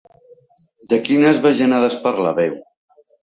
De quines bajanades parlàveu?